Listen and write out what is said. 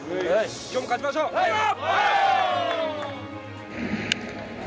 今日も勝ちましょう、さあいくぞ！